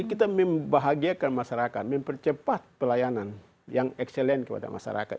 kita membahagiakan masyarakat mempercepat pelayanan yang excellent kepada masyarakat